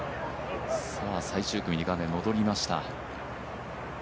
最終組に画面が戻りました。